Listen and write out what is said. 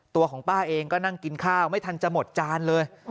ตัวของป้าเองก็นั่งกินข้าวไม่ทันจะหมดจานเลย